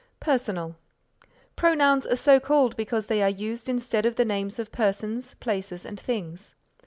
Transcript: Personal Pronouns are so called because they are used instead of the names of persons, places and things.